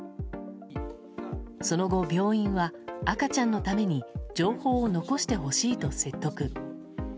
その後、病院は赤ちゃんのために情報を残してほしいと説得。